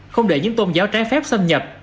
không để những tôn giáo trái phép xâm nhập